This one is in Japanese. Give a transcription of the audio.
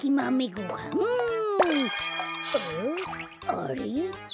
あれ？